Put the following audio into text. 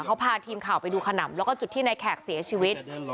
เขาพาทีมข่าวไปดูขนำแล้วก็จุดที่ในแขกเสียชีวิต